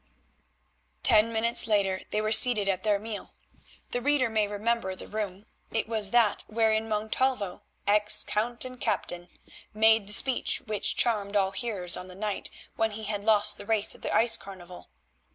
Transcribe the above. Ten minutes later they were seated at their meal. The reader may remember the room; it was that wherein Montalvo, ex count and captain, made the speech which charmed all hearers on the night when he had lost the race at the ice carnival.